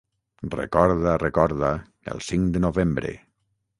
Recorda, recorda, el cinc de novembre!